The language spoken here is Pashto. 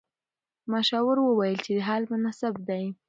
مشاور وویل چې حل مناسب دی.